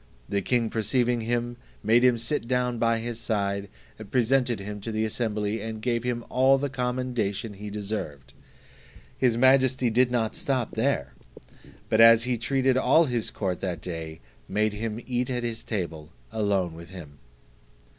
The king perceiving him, made him sit down by his side, presented him to the assembly, and gave him all the commendation he deserved. His majesty did not stop here: but as he treated all his court that day, made him eat at his table alone with him.